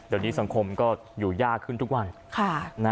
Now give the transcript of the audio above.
เดี๋ยวนี้สังคมก็อยู่ยากขึ้นทุกวัน